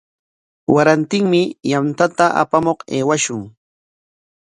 Warantinmi yantata apamuq aywashun.